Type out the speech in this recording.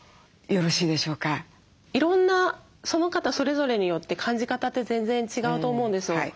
いろんなその方それぞれによって感じ方って全然違うと思うんですよ。